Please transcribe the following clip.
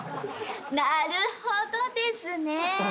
なるほどですね。